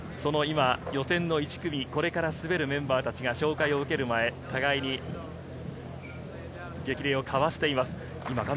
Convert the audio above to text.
予選の１組、これから滑るメンバーたちが紹介を受ける前、互いに激励をかわしています。